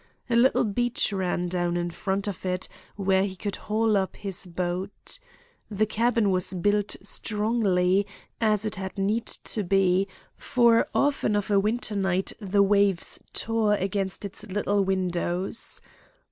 A little beach ran down in front of it where he could haul up his boat. The cabin was built strongly, as it had need to be, for often of a winter night the waves tore against its little windows.